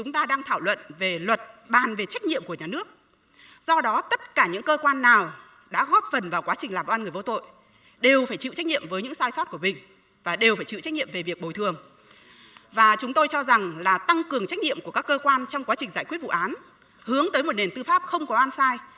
trong quá trình giải quyết vụ án hướng tới một nền tư pháp không có oan sai